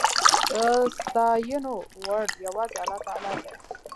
د ستاينو وړ يواځې الله تعالی دی